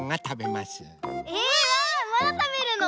まだたべるの？